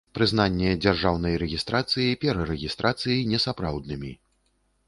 Прызнанне дзяржаўнай рэгiстрацыi, перарэгiстрацыi несапраўднымi